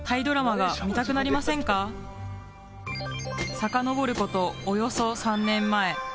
さかのぼること、およそ３年前。